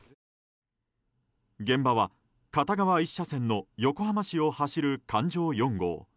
現場は片側１車線の横浜市を走る環状４号。